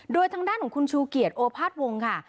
โดยทางด้านของคุณชูเกียจโอภาษวงศ์ค่ะ